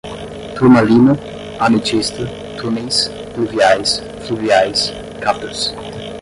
turmalina, ametista, túneis, pluviais, fluviais, catas